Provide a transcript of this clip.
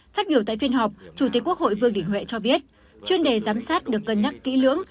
phát biểu tại phiên họp chủ tịch quốc hội vương đình huệ cho biết chuyên đề giám sát được cân nhắc kỹ lưỡng